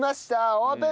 オープン！